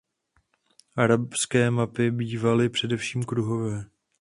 Arabské mapy bývaly především kruhové.